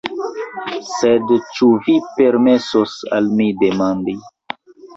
Sed ĉu vi permesos al mi demandi.